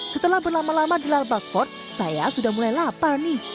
setelah berlama lama di lalbag fort saya sudah mulai lapar nih